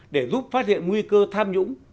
để giúp phát hiện nguy cơ tham nhũng